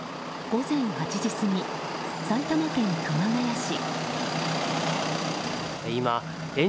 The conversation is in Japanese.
午前８時過ぎ、埼玉県熊谷市。